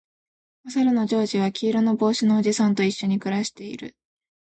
おさるのジョージは黄色の帽子のおじさんと一緒に暮らしている